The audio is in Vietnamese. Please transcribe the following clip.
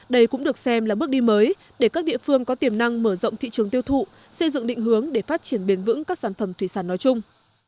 đây cũng được xem là bước đi mới để các địa phương có tiềm năng mở rộng thị trường tiêu thụ xây dựng định hướng để phát triển bền vững các sản phẩm thủy sản nói chung